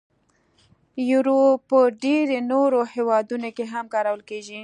یورو په ډیری نورو هیوادونو کې هم کارول کېږي.